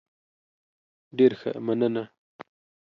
ډیر ښه، مننه.